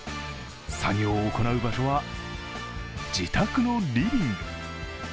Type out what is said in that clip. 作業を行う場所は自宅のリビング。